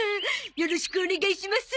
よろしくお願いします！